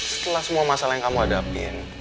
setelah semua masalah yang kamu hadapin